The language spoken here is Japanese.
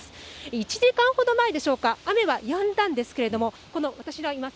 １時間ほど前でしょうか、雨はやんだんですけれども、この私がいます